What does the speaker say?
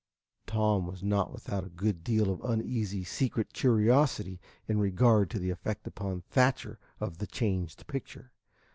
Tom was not without a good deal of uneasy secret curiosity in regard to the effect upon Thatcher of the changed picture.